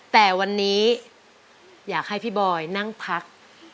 แต่วันนี้อยากให้พี่บอยนั่งพัก